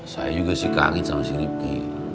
saya juga sih kangen sama si ripki